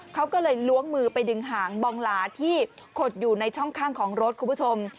เขาก็เลยล้วงมือไปดึงหางบองหลาที่ขดอยู่ในช่องข้างของรถคุณผู้ชม